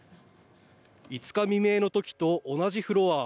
５日未明の時と同じフロア